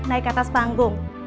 naik ke atas panggung